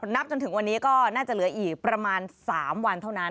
นับจนถึงวันนี้ก็น่าจะเหลืออีกประมาณ๓วันเท่านั้น